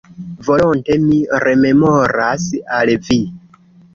Volonte mi rememoras al Vi.